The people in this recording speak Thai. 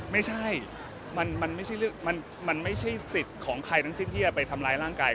ไม่ใช่มันไม่ใช่สิทธิ์ของใครทั้งสิ้นที่จะไปทำร้ายร่างกาย